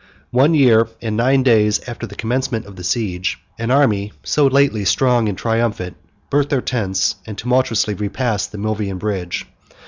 One year and nine days after the commencement of the siege, an army, so lately strong and triumphant, burnt their tents, and tumultuously repassed the Milvian bridge.